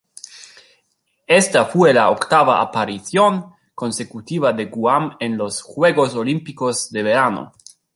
Esta fue la octava aparición consecutiva se Guam en los Juegos Olímpicos de verano.